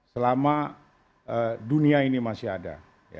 selama dunia ini masih ada